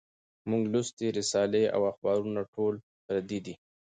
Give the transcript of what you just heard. مونږ لوستي رسالې او اخبارونه ټول پردي دي